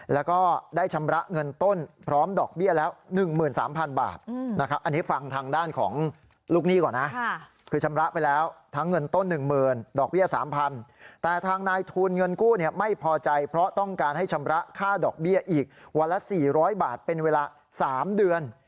แล้วก็ได้ชำระเงินต้นพร้อมดอกเบี้ยแล้ว๑๓๐๐๐บาทนะครับอันนี้ฟังทางด้านของลูกหนี้ก่อนนะคือชำระไปแล้วทั้งเงินต้น๑๐๐๐ดอกเบี้ย๓๐๐แต่ทางนายทุนเงินกู้เนี่ยไม่พอใจเพราะต้องการให้ชำระค่าดอกเบี้ยอีกวันละ๔๐๐บาทเป็นเวลา๓เดือน